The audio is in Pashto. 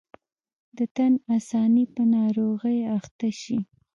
د تن آساني په ناروغۍ اخته شي.